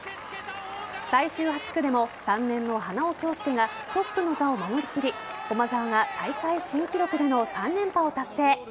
最終８区でも３年の花尾恭輔がトップの座を守りきり駒澤が大会新記録での３連覇を達成。